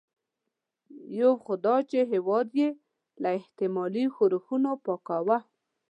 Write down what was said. یو خو دا چې هېواد یې له احتمالي ښورښونو پاکاوه.